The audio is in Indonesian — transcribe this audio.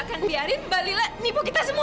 aku gak akan biarin mbak lila nipu kita semua